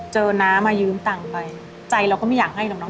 เจอน้ามายืมตังไปใจเราก็ไม่อยากให้น้องตอนนั้น